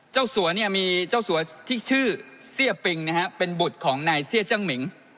สัวเนี่ยมีเจ้าสัวที่ชื่อเสี้ยปิงนะฮะเป็นบุตรของนายเสี้ยจังหมิง